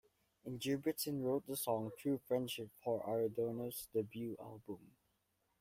Ingebrigtsen wrote the song "True Friendship" for Arredondo's debut album.